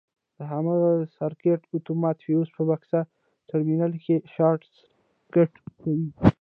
د هماغه سرکټ اتومات فیوز په بکس ټرمینل کې شارټ سرکټ کوي.